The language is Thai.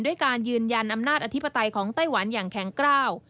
การยืนยันอำนาจอธิปไตยของไต้หวันอย่างแข็งกล้าว